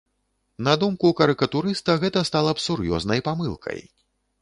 На думку карыкатурыста, гэта стала б сур'ёзнай памылкай.